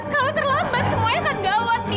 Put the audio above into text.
kalau terlambat semuanya akan gawat nih